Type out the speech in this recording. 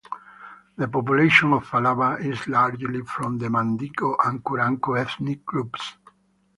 The population of Falaba is largely from the Mandingo and Kuranko ethnic groups.